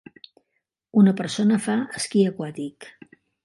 Una persona fa esquí aquàtic.